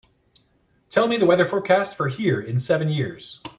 Tell me the weather forecast for here in seven years